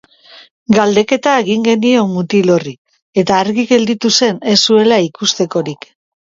Galdeketa egin genion mutil horri, eta argi gelditu zen ez zuela ikustekorik.